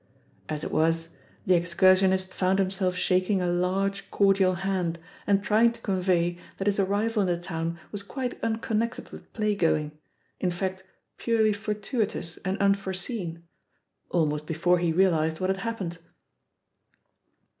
As it was, the ex cursionist found himself shaking a large cordial hand, and trying to convey that his arrival in the town was quite unconnected with play going, in fact purely fortuitous and unforeseen, almost before he realised what had happened.